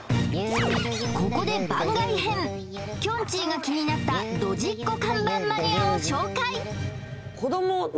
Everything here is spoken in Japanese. ここで番外編きょんちぃが気になったドジっ子看板マニアを紹介ありますね